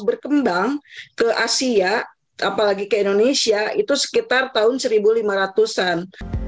berkembang ke asia apalagi ke indonesia itu sekitar tahun seribu lima ratus an